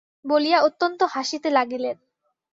বলিয়া অত্যন্ত হাসিতে লাগিলেন।